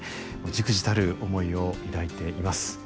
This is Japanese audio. じくじたる思いを抱いています。